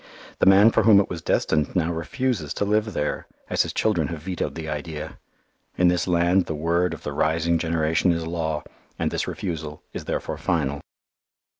The man for whom it was destined now refuses to live there, as his children have vetoed the idea. In this land the word of the rising generation is law, and this refusal is therefore final.